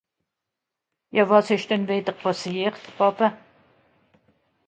Ja, wàs ìsch denn schùn wìdder pàssiert, Vàter ?